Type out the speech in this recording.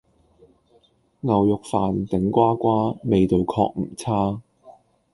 牛肉飯，頂呱呱，味道確唔差